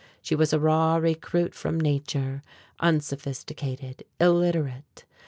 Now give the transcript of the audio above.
She was a raw recruit from Nature, unsophisticated, illiterate.